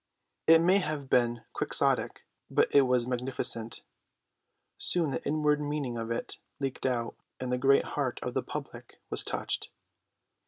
It may have been Quixotic, but it was magnificent. Soon the inward meaning of it leaked out, and the great heart of the public was touched.